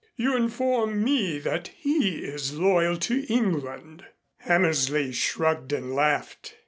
"You inform me that he is loyal to England." Hammersley shrugged and laughed.